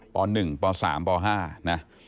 ป๑ป๓ป๕นะ